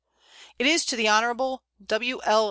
] It is to the Hon. W. L.